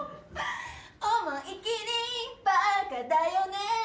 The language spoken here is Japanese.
「思い切りバカだよね」